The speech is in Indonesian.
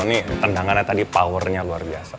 ini tendangannya tadi powernya luar biasa